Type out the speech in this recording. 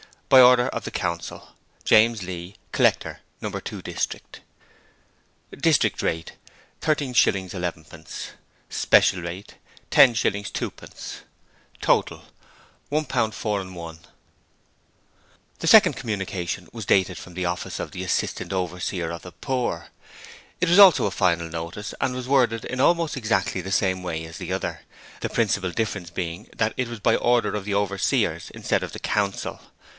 By order of the Council. JAMES LEAH. Collector, No. 2 District. District Rate ..........................£ 13 11 Special Rate ........................... 10 2 ________ £1 4 1 The second communication was dated from the office of the Assistant Overseer of the Poor. It was also a Final Notice and was worded in almost exactly the same way as the other, the principal difference being that it was 'By order of the Overseers' instead of 'the Council'.